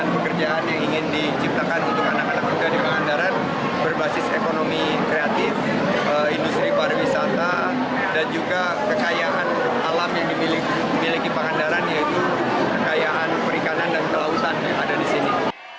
dan pekerjaan yang ingin diciptakan untuk anak anak berguna di pahandaran berbasis ekonomi kreatif industri pariwisata dan juga kekayaan alam yang dimiliki pahandaran yaitu kekayaan perikanan dan kelautan yang ada di sini